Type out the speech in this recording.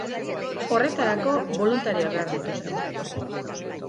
Horretarako, boluntarioak behar dituzte.